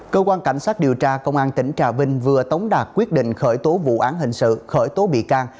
cơ quan cảnh sát điều tra công an tỉnh trà vinh vừa tống đạt quyết định khởi tố vụ án hình sự khởi tố bị can